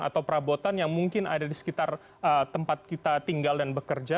atau perabotan yang mungkin ada di sekitar tempat kita tinggal dan bekerja